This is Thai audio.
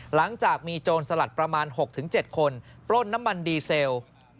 หลังจากมีโจรสลัดประมาณ๖๗คนปล้นน้ำมันดีเซล